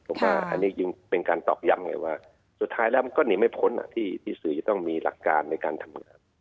ผมว่าอันนี้ยิ่งเป็นการตอกย้ำไงว่าสุดท้ายแล้วมันก็หนีไม่พ้นที่สื่อจะต้องมีหลักการในการทำงาน